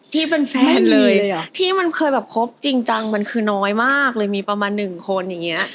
ที่เป็นแฟนเลยอ่ะที่มันเคยแบบคบจริงจังมันคือน้อยมากเลยมีประมาณหนึ่งคนอย่างเงี้ย